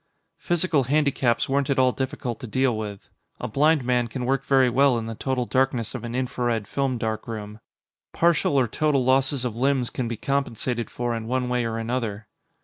Physical handicaps weren't at all difficult to deal with. A blind man can work very well in the total darkness of an infrared film darkroom. Partial or total losses of limbs can be compensated for in one way or another.